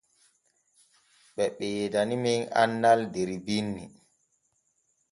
Ɓe ɓeedaniimen annal der binni.